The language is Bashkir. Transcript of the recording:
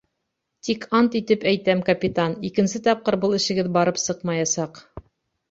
Тик ант итеп әйтәм, капитан, икенсе тапҡыр был эшегеҙ барып сыҡмаясаҡ.